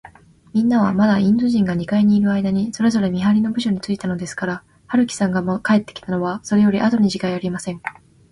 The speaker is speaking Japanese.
みんなは、まだインド人が二階にいるあいだに、それぞれ見はりの部署についたのですから、春木さんが帰ってきたのは、それよりあとにちがいありません。